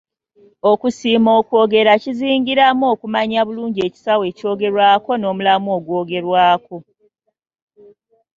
Okusiima okwogera kizingiramu okumanya obulungi ekisaawe ekyogerwako n'omulamwa ogwogerwako;